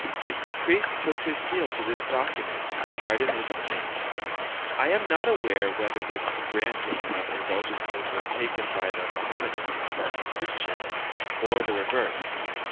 If the priest puts his seal to this document, pardon is obtained. I am not aware whether this granting of indulgences was taken by the Mahomedans from the Christians, or the reverse.